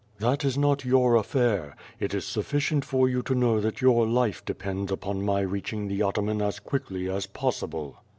"That is not your affair. It is suflficient for you to know that your life depends upon my reaching the ataman as quickly as possible."